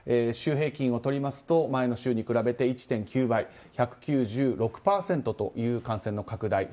週平均をとりますと前の週に比べて１．９倍１９６％という感染の拡大。